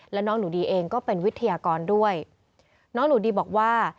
แล้วน้องหนูดีเองก็เป็นวิทยากรด้วยน้องหนูดีบอกว่า